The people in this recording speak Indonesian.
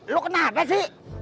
lu kenapa sih